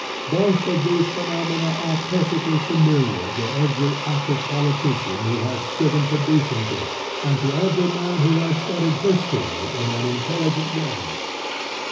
Both of these phenomena are perfectly familiar to every active politician who has striven for decency, and to every man who has studied history in an intelligent way.